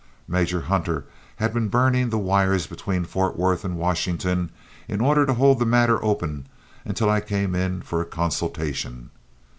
Major Hunter had been burning the wires between Fort Worth and Washington, in order to hold the matter open until I came in for a consultation.